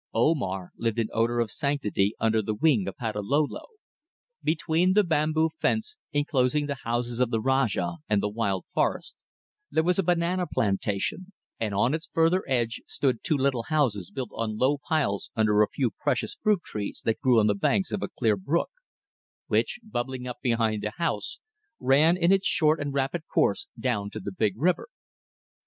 Omar lived in odour of sanctity under the wing of Patalolo. Between the bamboo fence, enclosing the houses of the Rajah, and the wild forest, there was a banana plantation, and on its further edge stood two little houses built on low piles under a few precious fruit trees that grew on the banks of a clear brook, which, bubbling up behind the house, ran in its short and rapid course down to the big river.